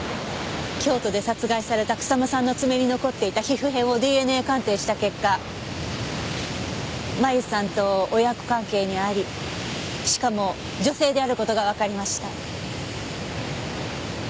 京都で殺害された草間さんの爪に残っていた皮膚片をＤＮＡ鑑定した結果麻由さんと親子関係にありしかも女性である事がわかりました。